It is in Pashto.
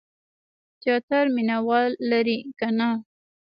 تیاتر مینه وال لري که نه؟